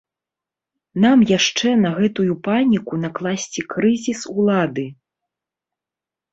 Нам яшчэ на гэтую паніку накласці крызіс улады.